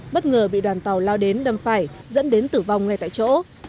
bất ngờ bị đoàn tàu lao đến đâm phải dẫn đến tử vong ngay tại chỗ